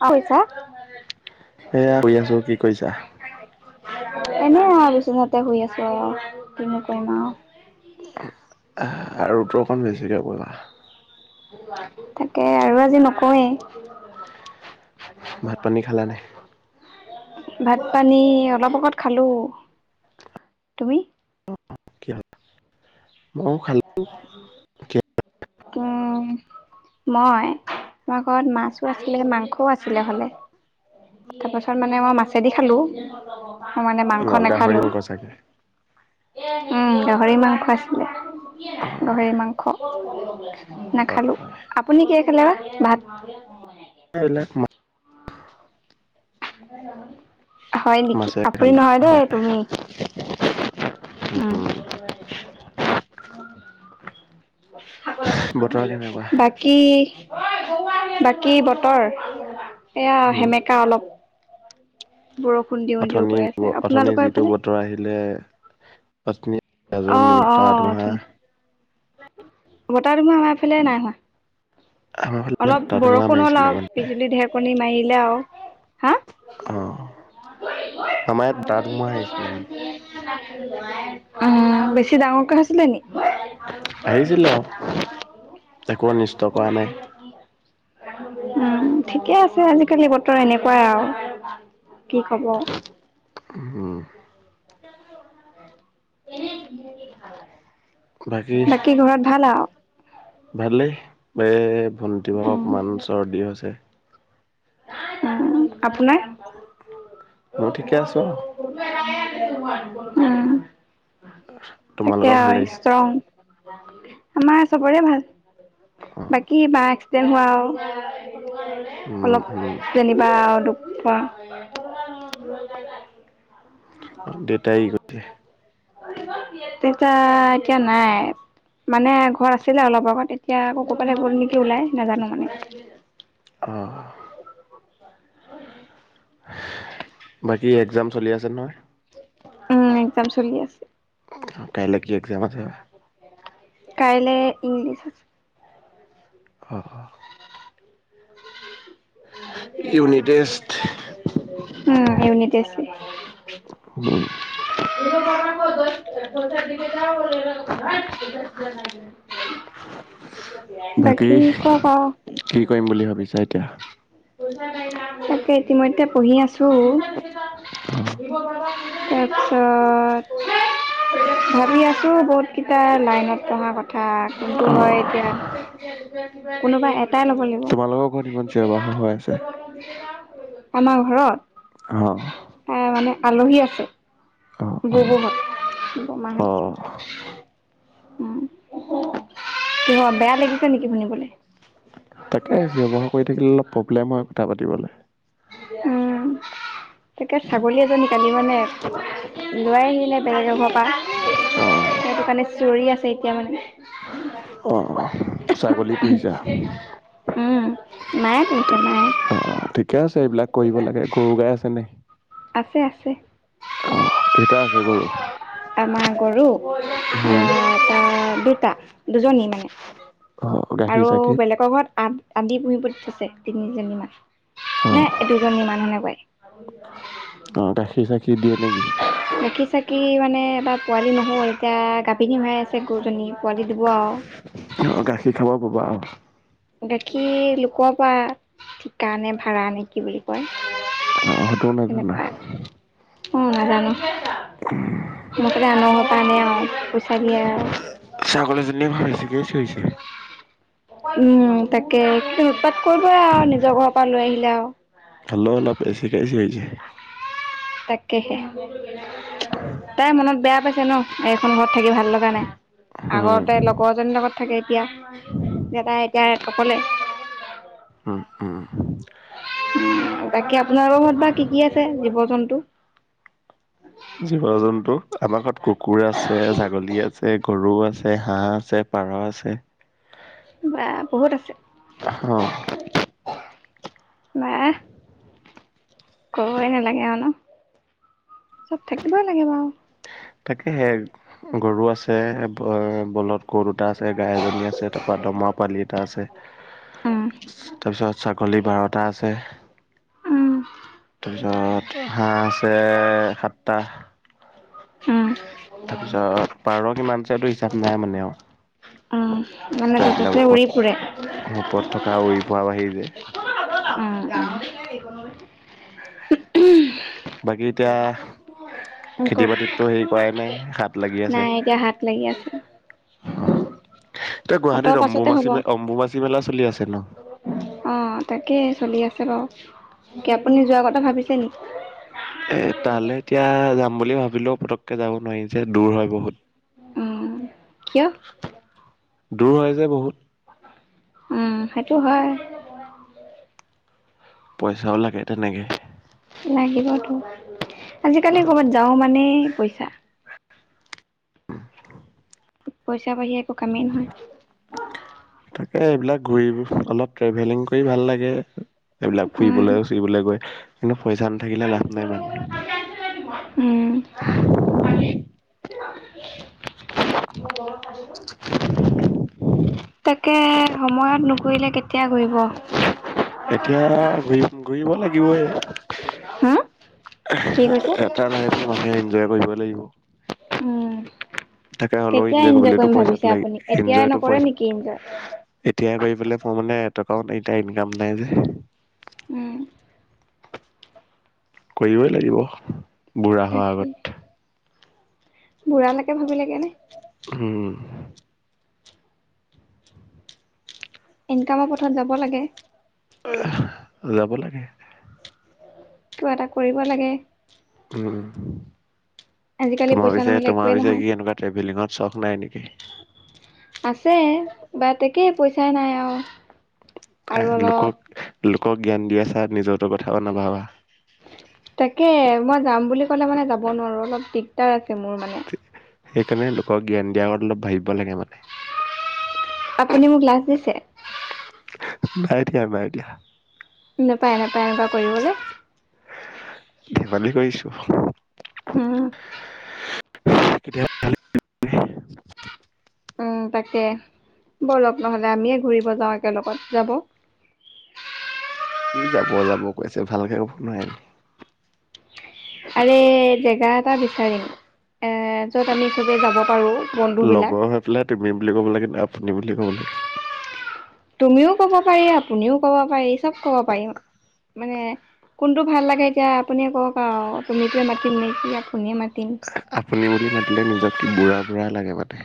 কৈছা এয়া শুই আছোঁ কি কৰিছা? এনে আও বিচনাতে শুই আছো আৰু, কি কৰিম আৰু আৰু তুমি অকমান বেছিকে ক'লা তাকে আৰু আজি নকয়েই ভাত পানী খালা নে [unintelligible] ভাত পানী অলপ অকত খালো, তুমি? কিয়? মই খালো। উহ, মই মাৰ ঘৰত মাছো আছিলে মাংসও আ আছিলে হ'লে। তাৰপাছত মানে মই মাছেদি খালোঁ। মই মানে মাংস অ গাহৰি নেখালো। মাংস চাগে উম গাহৰি মাংস আছিলে। অ গাহৰি মাংস। [unintelligible] হয় নাখালো, হয় আপুনি কি খালে বা? ভাত [unintelligible] [unintelligible] হয় নেকি? মাছেৰে আপুনি খালো নহয় দেই হয় তুমি উম। বতৰ কেনেকুৱা বাকী- বাকী বতৰ- এয়া উম সেমেকা অলপ- বৰষুণ দিওঁ দিওঁ অথনি কৈ আছে অথনি আপোনালোকৰ যিটো এইফালে বতৰ আহিলে বিজুলী অ গাজনি অ বতাহ ধুমুহা। অথনি বতাহ- ধুমুহা এফালে নাই হোৱা। আমাৰ ফালে অলপ বতাহ ধুমুহা বৰষুণ হ'ল মাৰিছিলে আও মানে বিজুলী ঢেৰকণী মাৰিলে আও। অঁ, আমাৰ ইয়াত বতাহ -ধুমুহা আহিছিলে মানে। অ বেছি ডাঙৰকৈ হৈছিলে নি? আহিছিলে আও, একো অনিষ্ট কৰা নাই। উম ঠিকে আছে। তে আজিকালি বতৰ এনেকুৱাই আৰু কি কব? উম। [unintelligible] বাকী ঘৰত ভাল আও? ভালেই এম- ভণ্টিভাগৰ উম অকমান চৰ্দি হৈছে। আপোনাৰ মই ঠিকে আছোঁ আৰু। উম। থিকে তোমালোকৰ আৰু ভালেই ষ্ট্ৰং। আমাৰ চবৰে ভাল। অ বাকী বা তেওঁ হোৱা [unintelligible] উম অলপ উম যেনিবা আও দো অ। [unintelligible] দেউতাই গৈছে [inaudible] দেতা এতিয়া নাই মানে ঘৰত আছিলে অলপ আগত। এতিয়া আকৌ কৰবালে গল নেকি ওলাই নাজানো মানে। অ। [inaudible] বাকী একজাম চলি আছে নহয়? উম একজাম চলি আছে। কাইলৈ কি? যাব যা কাইলে ইংলিছ আ অ, অ। [inaudible] ইউনিট টেষ্ট উম ইউনি টেষ্ট এ [unintelligible] [inaudible] বাকী কওক আও কি কৰিম বুলি ভাবিছা এত এতিয়া তাকে ইতিমধ্যে পঢ়ি আছো। [unintelligible] অ তাপিছত ভাবি আছো বহুত কিবা লাইনত পঢ়া কথ থা কিন্তু অ হয় এতিয়া কোনোবা এ তোমালোকৰ ঘৰত ইমান চিঞৰ বাখৰ হয়। [unintelligible] আমাৰ ঘৰত? অহ। আহ মানে আলহী আছে। বু বু বা অ বমাহঁত। উম, কিয় বেয়া লাগিছে নেকি শুনিবলে? তাকে, চিঞৰ- বাখৰ কৰি থাকিলে অলপ প্ৰব্লেম হয় কথা পাতিবলে। উম, তাকে ছাগলী এজনী কালি মানে, লৈ আহিলে বেলেগ এক ঘৰৰ পৰা অ সেইটো কাৰণে চিঞৰি আছে। এতিয়া মানে অঁ, অঁহ--ছাগলী পুহিছা? মাই পুহিছে, মাই। অ ঠিকে আছে এইবিলাক কৰিব লাগে। গ'ৰু গাই আছে নাই? আছে আছে। কেইটা আছে গৰু আমাৰ গ'ৰু? উম অঁ এটা দুটা। দুজনী মানে অ গাখীৰ আৰু চাখীৰ বেলেগৰ ঘৰত আঠ আধি পুহিব দি থৈছে, তিনিজনীমান। অ নে, দুজনী মানুহ এনেকোৱাই। [unintelligible] সি দিয়ে নেকি? চাকি চাকি মানে, এবাৰ পোৱালি নহ'য়। এতিয়া গাভিনী হৈ আছে গৰুজনী। পোৱালি দিব আৰু। আহ্ গাখীৰ খাব পাবা আৰু গাখীৰ লোকৰ পৰা, ঠিকা নে ভাড়া নে কি বুলি কয়? অসতু নাজানা? অঁ নাজানো। ওঁ-হোঁ-হোঁ মুঠতে‌ আনৰ ঘৰৰ পৰা আনে আৰু পইচা দিয়ে আৰু ছাগলীজনীয়ে ভাবিছে কিয় চিঞৰিছে [unintelligible] উম তাকে, উৎপাত কৰিবই আও, নিজৰ ঘৰপা লৈ আহিলে আও। হেল্লৌ অলপ বেছি কায়িছে ইছে। তাকেহে, তাই মনত বেয়া পাইছে ন খন, ঘৰত থাকি ভাল লগা নাই। উম আগতে লগজনীৰ লগত থাকে। এতিয়া, দেতাই এতিয়া অকলে উম উম তাকে, আপোনাৰ লগত ঘৰৰ বা কি কি আছে জীৱ জন্তু? জীৱ -জন্তু, আমাৰ ঘৰত কুকুৰ আছে, ছাগলী আছে, গৰু আছে। আছে, হাঁহ আছে, পাৰ আছে। বা বহুত আছে। অ নাই। কবই নালাগে আৰু ন চ'ব থাকিবই লাগে বাৰু। তাকে হে- গৰু আছে, বলধ গৰু দুটা আছে, গাই এজনী আছে, তাৰপৰা দমৰা পোৱালি এটা আছে, উম তাৰপিছত ছাগলী বাৰ‌ টা এটা আছে। উম। তাৰপিছত হাঁহ আছে সাতটা। উম তাৰপিছত পাৰঁ কিমান- পইচাটো হিচাপ নাই মানে আৰু। উম। মানে ত' এইবিলাক জতে-ততে ওপৰত উৰি ফুৰে। ওপৰত উৰি ফুৰা বাহিৰে- বাকী এতিয়া- খেতি কওক বাতিতটো হেৰি কৰাই নাই। সাত- লাগি আছে। নাই এতিয়া হাত লাগি আছে। অ এতিয়া গুৱাহাটীত হাতৰ পাছতে অম্বুবাচী হ'ব অম্বুমাচী মেলা চলি আছে ন। অ তাকে চলি আছে বাৰু। কি আপুনি যোৱাৰ কথা ভাবিছে নেকি? তালে এতিয়া যাম বুলি ভাবিলেও পটককে যাব নোৱাৰি যে দূৰ হয় বহুত। উম কিয়? দূৰ হয় যে বহুত। উম সেইটো হয়। পইচাও লাগে তেনেকে লাগিবতো আজিকালি কৰ'বাত যাও মানে পইচা। পইচা বাঢ়িৰে একো কামেই নহয়। এ এইবিলাক ঘূৰি অলপ ট্ৰেভেলিং কৰি ভাল লাগে। এইবিলাক উম ফুৰিবলৈ চুৰিবলৈ গৈ- কিন্তু পইচা নাথাকিলে লাভ নাই মানে। উম [unintelligible] [unintelligible] [unintelligible] তাকে সময়ত নুঘূৰিলে কেতিয়া ঘূৰিব। এতিয়া ঘূৰি ঘূৰিব লাগিবই। হম কি কৈছে? এটা লাইফহে মানুহে ইনজয় কৰিব লাগিব। [unintelligible] উম। তাকে হ'লেও কেতিয়া ইনজয় এনজয় কৰিবলৈ কৰিম ভাবিছে পইচাটো আপুনি লাগে। এতিয়াই ইনজয়টো নকৰে পইচা নেকি এনজয়? এতিয়াই কৰি পেলাই মই মানে- টকাও নাই এতিয়া, ইনকাম নাই যে। উম। কৰিবই লাগিব। বুঢ়া হোৱাৰ তাকে আগত। বুঢ়ালৈকে ভাবিলে গৈ নে? উম। ইনকামৰ পথত যাব লাগে। যাব লাগে। কিবা এটা কৰিব লাগে। উম। আজিকালি তোমাৰ পইচা পিছে, নহ'লে তোমাৰ একোৱেই পিছে নহয়। কি' এনেকুৱা ট্ৰেভেলিংঙৰ চক নাই নেকি? [unintelligible] আছে বা' তাকেই পইচাই নাই আৰু। আৰু অলপ বা'হ- লোকক জ্ঞান দি আছা। নিজটো কথাওঁ নাভাবা। তাকে, মই যাম বুলি ক'লে মানে যাব নোৱাৰো। অলপ দিগদাৰ আছে- মোৰ মানে। সেইকাৰণে লোকক- জ্ঞান দিয়াৰ আগতে, অলপ ভাবিব লাগে মানে। আপুনি মোক লাজ দিছে? নাই দিয়া, নাই দিয়া। নাপায়, নাপায়, এনেকুৱা কৰিবলৈ। ধেমালী কৰিছো। উম। কেতিয়াবা ভাল লাগে ধেমালি কৰি। উম' তাকে। ব'লক নহ'লে আমিয়ে ঘূৰিব যাওঁ একেলগত যাব? কি' যাব, যাব কৈছা ভালকে কব নোৱাৰা নেকি। আৰে' জেগা এটা বিচাৰিম এ' য'ত আমি চবেই যাব- পাৰো বন্ধু বিলাক লগৰ হৈ পেলাই, তুমি বুলি ক'ব লাগে নেকি? আপুনি বুলি ক'ব লাগে। তুমিওঁ কব পাৰি, আপুনিও কব পাৰি, চব কব পাৰিম। মানে কোনটো ভাল লাগে। এতিয়া আপুনিয়ে কওঁক আৰু তুমিতো এ মাতিম নে' কি- আপুনিয়ে মাতিম আপুনি বুলি মাতিলে নিজকে বুঢ়া- যেন লাগে মানে।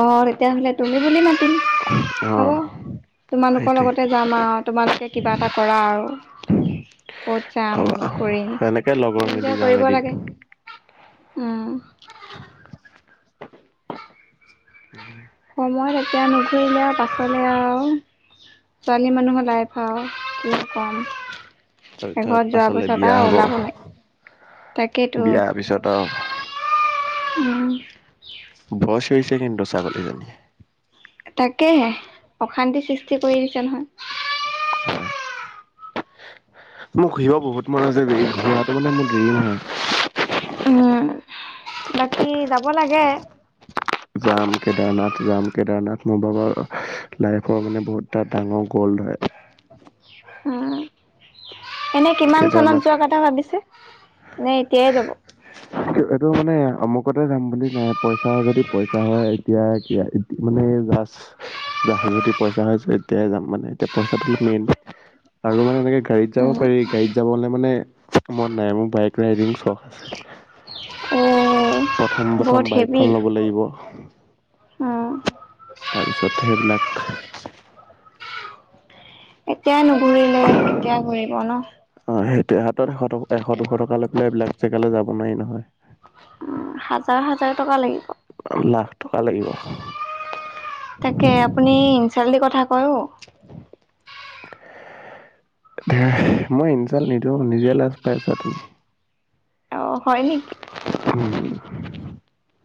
অঁ তেতিয়া হ'লে তুমি বুলি মাতিম। অ হ'ব। তোমালোকৰ সেইটোৱে। লগতে যাম আৰু তোমালোকে কিবা এটা কৰা আৰু। ক'ত যাম হ'ব কি' কৰিম এনেকে লগৰ মিলি চিন্তা যাম কৰিব এদিন। লাগে। উম। [unintelligible] মই এতিয়া নুঘূৰিলে আৰু পাছলৈ আৰু ছোৱালী মানুহৰ লাইফওঁ কি' কম। ঘৰত তাৰপিছত যোৱাৰ পাছলে পাছত বিয়া আৰু হব। ওলাব নোৱাৰি তাকেইতো বিয়াৰ পিছত আৰু- উম। বৰ চিয়ঁৰিছে কিন্তু ছাগলী জনিয়ে। তা'কে অশান্তি সৃষ্টি কৰি দিছে নহয়। হয় মোক ঘৰিব বহুত মন আছে ঘূৰাৰাটো মানে মোৰ দেৰিম হয় উম বাকী যাব লাগে যাম কেদাৰনাথ যাম কেদাৰনাথ মোৰ ভৰ লাইফৰ মানে বহুতটা ডাঙৰ গ'ল ধৰে উম। এনে কিমান চনত যোৱা কথা ভাবিছে নে এতিয়াই যাব কি এইটো মানে অমুক কতে যাম বুলি নাই পইচা যদি পইচা হয় এতিয়া কি মানে জাজ যদি পইচা হয় এতিয়াই যাম মানে এতিয়া পইচাটো অলপ মেইন আৰু মানে এনেকে গাড়ী যাব উম পাৰি গাড়ীত যাবলে মানে মন নাই মোৰ বাইক ৰাইডিং চখ আছে অ প্ৰথম বহুত প্ৰথম হেভি বাইকখন ল'ব লাগিব উম তাৰপিছত সেইবিলাক [unintelligible] এতিয়াই নুঘুৰিলে কেতিয়া ঘূৰিব ন অ সেই হাতত এশ ট এশ দুশ টকা লৈ পেলাই এইবিলাক জেগালৈ যাব নোৱাৰি নহয় উম, হাজাৰ হাজাৰ টকা লাগিব লাখ টকা লাগিব তাকে আপুনি ইনচাল দি কথা কয় অ মই ইনঞ্চাল নিদিওঁ নিজে লাজ পাইছা তুমি অ হয় নেকি [unintelligible] [unintelligible]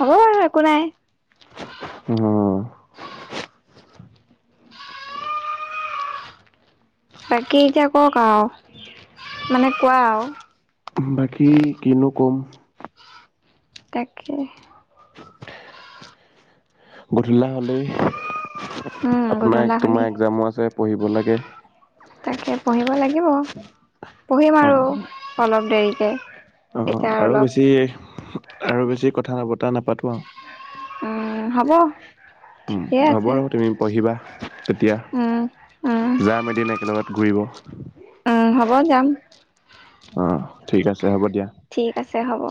হ'ব বাৰু একো নাই উম বাকী এতিয়া কওক আৰু মানে কোৱা আৰু বাকী কিনো কম তাকে গধূলা হ'লেই উম আপোনাৰ গধূলা হ'লি তোমাৰ একজামো আছে পঢ়িব লাগে তাকে পঢ়িব লাগিব পঢ়িম অ আৰু অলপ দেৰিকে অ এতিয়া আৰু অলপ বেছি আৰু বেছি কথা নাপ কথা নাপাতোঁ আৰু উম হব উম ঠিকে হ'ব আছে আৰু তুমি পঢ়িবা তেতিয়া উম উম যাম এদিন একেলগত ঘূৰিব উম হ'ব যাম অ ঠিক আছে দে হ'ব দিয়া ছে হ'ব